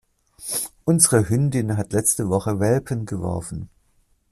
Unsere Hündin hat letzte Woche Welpen geworfen.